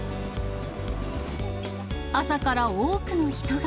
朝から多くの人が。